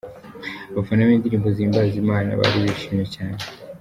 Abafana b'indirimbo zihimbaza Imana bari bishimye cyane.